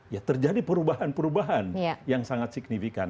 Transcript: ya terjadi perubahan perubahan yang sangat signifikan